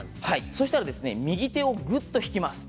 そうしたら右手をぐっと引きます。